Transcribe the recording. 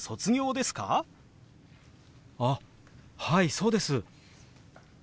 あっはいそうです！